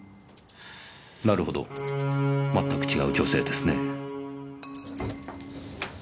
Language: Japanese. なるほどまったく違う女性ですね。